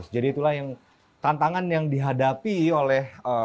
jadi itulah yang tantangan yang dihadapi oleh